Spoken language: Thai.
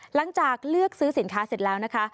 หลังจากเลือกซื้อสินค้าเสร็จแล้วนะคะ